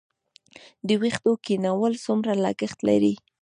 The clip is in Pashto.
د ویښتو کینول څومره لګښت لري؟